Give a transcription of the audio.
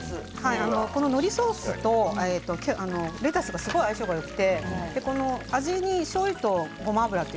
のりソースとレタスがすごい相性がよくてこの味にしょうゆと